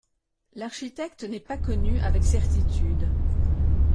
L'architecte n'est pas connu avec certitude.